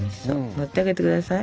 乗ってあげて下さい。